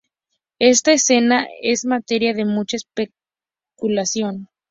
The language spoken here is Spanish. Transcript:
Esta escena es materia de mucha especulación.